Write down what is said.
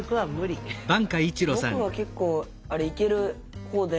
ぼくは結構あれいける方で。